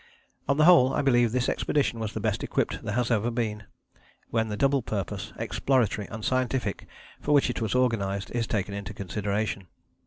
On the whole I believe this expedition was the best equipped there has ever been, when the double purpose, exploratory and scientific, for which it was organized, is taken into consideration.